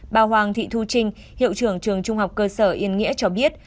bà hoàng thị thu trinh hiệu trưởng trường trung học cơ sở yên nghĩa cho biết